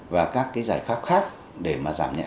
và các giải pháp khác để giảm nhẹ phát triển